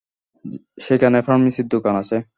সেখানে ফার্মেসীর দোকান আছে।